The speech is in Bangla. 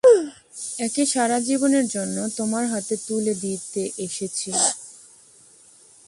একে সাড়া জীবনের জন্য তোমার হাতে তুলে দিতে এসেছি।